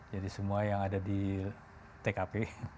jadi semua yang ada di tkp